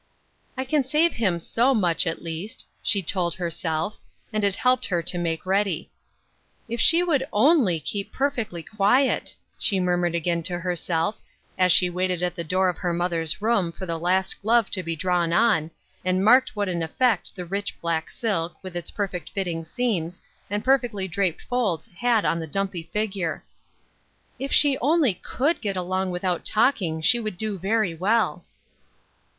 " I can save him so much, at least," she told herself, and it helped her to make ready. " If she would only keep perfectly quiet !" she murmured again to her self, as she waited at the door of her mother's room for the last glove to be drawn on, and marked what an effect the rich black silk, with itfi perfect fitting seams, and perfectly draped folds had on the dumpy figure. " If she only could get along without talking she would do verj^ well."